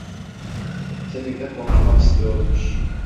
Seninle konuşmak istiyormuş.